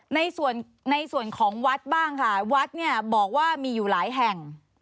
ในส่วนของวัดบ้างค่ะวัดเนี่ยบอกว่ามีอยู่หลายแห่ง